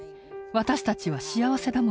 私たちは幸せだもの。